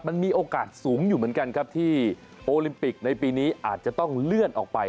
มันมีโอกาสสูงอยู่เหมือนกันครับที่โอลิมปิกในปีนี้อาจจะต้องเลื่อนออกไป